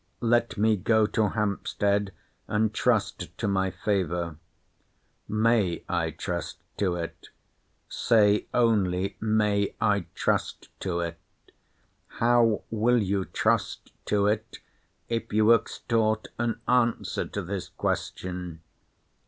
Let me go to Hampstead; and trust to my favour. May I trust to it?—Say only may I trust to it? How will you trust to it, if you extort an answer to this question?